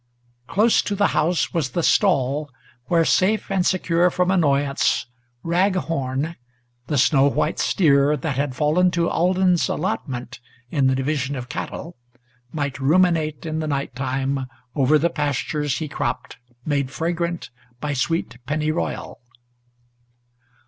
Close to the house was the stall, where, safe and secure from annoyance, Raghorn, the snow white steer, that had fallen to Alden's allotment In the division of cattle, might ruminate in the night time Over the pastures he cropped, made fragrant by sweet pennyroyal.